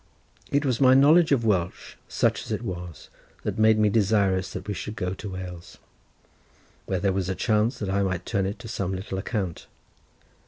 It was my knowledge of Welsh, such as it was, that made me desirous that we should go to Wales, where there was a chance that I might turn it to some little account.